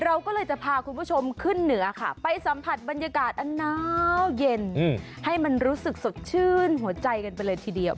เราก็เลยจะพาคุณผู้ชมขึ้นเหนือค่ะไปสัมผัสบรรยากาศอันน้าวเย็นให้มันรู้สึกสดชื่นหัวใจกันไปเลยทีเดียว